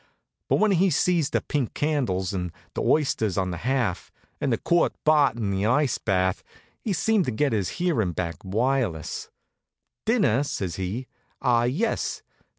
But when he sees the pink candles, and the oysters on the half, and the quart bott' in the ice bath, he seemed to get his hearin' back by wireless. "Dinner?" says he. "Ah, yes!